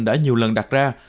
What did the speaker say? đã nhiều lần đặt ra